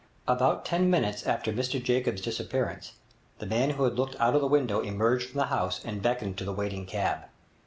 About ten minutes after Mr Jacobs' disappearance, the man who had looked out of the window emerged from the house and beckoned to the waiting cab.